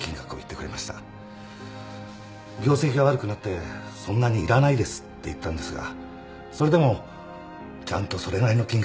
業績が悪くなってそんなにいらないですって言ったんですがそれでもちゃんとそれなりの金額をくれました。